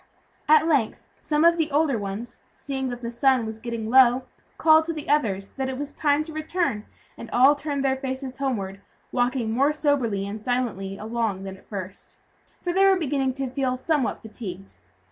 At length, some of the older ones, seeing that the sun was getting low, called to the others that it was time to return, and all turned their faces homeward, walking more soberly and silently along than at first, for they were beginning to feel somewhat fatigued.